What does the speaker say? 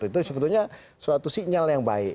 itu sebetulnya suatu sinyal yang baik